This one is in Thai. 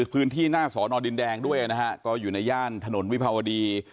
พื้นที่หน้าสอนอดินแดงด้วยนะฮะก็อยู่ในย่านถนนวิภาวดี